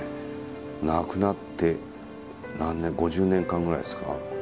亡くなって何年５０年間ぐらいですか。